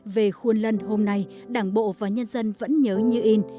về khuôn lân hôm nay đảng bộ và nhân dân vẫn nhớ như in